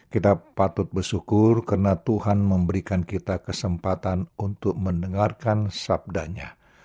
kita patut bersyukur karena tuhan memberikan kita kesempatan untuk mendengarkan sabdanya